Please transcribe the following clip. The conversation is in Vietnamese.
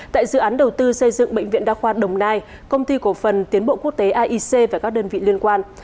tại dự án đầu tư xây dựng bệnh viện đa khoa đồng nai công ty cổ phần tiến bộ quốc tế aic và các đơn vị liên quan